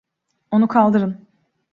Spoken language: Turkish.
Onu kaldırın.